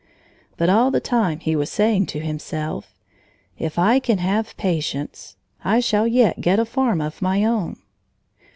But all the time he was saying to himself: "If I can have patience, I shall yet get a farm of my own."